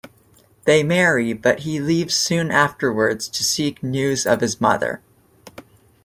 They marry but he leaves soon afterwards to seek news of his mother.